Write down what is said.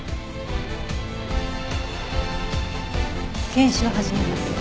検視を始めます。